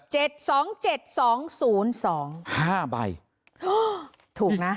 สองเจ็ดสองศูนย์สองห้าใบอ๋อถูกนะ